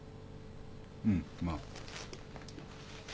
うんまあ。